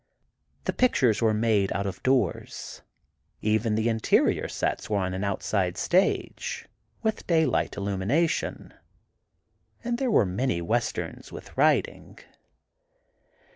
The pictures were made out of doors—even the interior sets were on an outside stage, with daylight illumination—and there were many "Westerns," with riding.